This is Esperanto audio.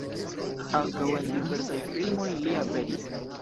Ankaŭ en diversaj filmoj li aperis.